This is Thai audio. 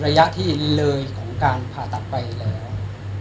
ระยะที่เลยของการผ่าตัดไปแล้ว